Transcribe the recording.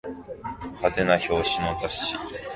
派手な表紙の雑誌